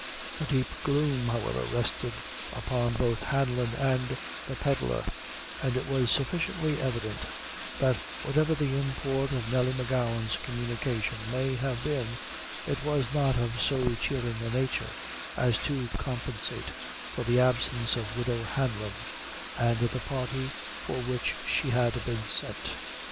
A deep gloom, however, rested upon both Hanlon and the pedlar; and it was sufficiently evident that whatever the import of Nelly M'Gowan's communication may have been, it was not of so cheering a nature as to compensate for the absence of widow Hanlon, and the party for which she had been sent.